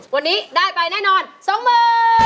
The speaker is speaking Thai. วันนี้ได้ไปแน่นอนสองมือ